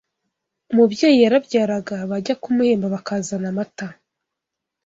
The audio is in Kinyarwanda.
Umubyeyi yarabyaraga bajya kumuhemba bakazana amata